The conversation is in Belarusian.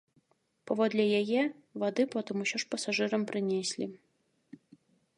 Паводле яе, вады потым усё ж пасажырам прынеслі.